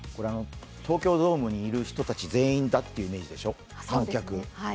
東京ドームにいる観客全員だというイメージでしょう。